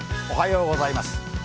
おはようございます。